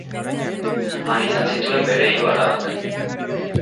Han izan zituen bere hiru alabak.